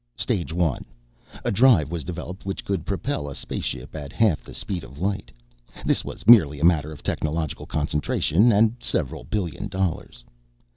Stage One: A drive was developed which could propel a spaceship at half the speed of light. This was merely a matter of technological concentration, and several billion dollars.